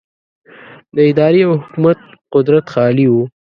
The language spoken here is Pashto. د ادارې او حکومت قدرت خالي و.